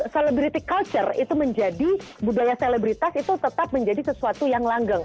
selebriti culture itu menjadi budaya selebritas itu tetap menjadi sesuatu yang langgeng